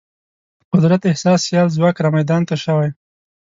قدرت احساس سیال ځواک رامیدان ته شوی.